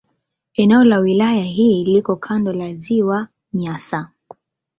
Eneo la wilaya hii liko kando la Ziwa Nyasa.